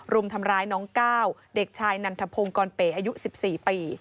รุมทำร้ายน้องก้าวเด็กชายนันทพงศ์กรเป๋อายุ๑๔ปี